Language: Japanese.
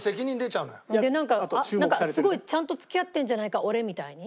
でなんかすごいちゃんと付き合ってるんじゃないか俺みたいに。